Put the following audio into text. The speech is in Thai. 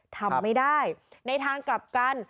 ทำไม่ได้ในทางกลับกัน